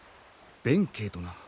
弁慶とな。